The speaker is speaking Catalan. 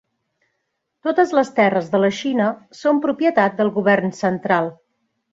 Totes les terres de la Xina són propietat del govern central.